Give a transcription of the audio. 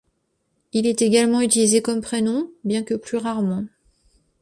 Il est également utilisé comme prénom, bien que plus rarement.